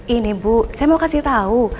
ini bu saya mau kasih tahu